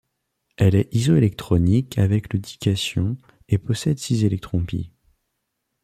Elle est isoélectronique avec le dication et possède six électrons π.